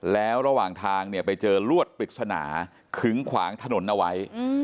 แล้วระหว่างทางไปเจอรวดปริกษณะขึ้งขวางถนนเอาไว้